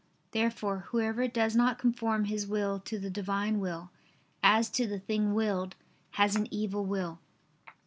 Therefore whoever does not conform his will to the Divine will, as to the thing willed, has an evil will.